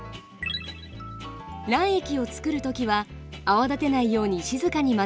卵液をつくる時は泡立てないように静かに混ぜます。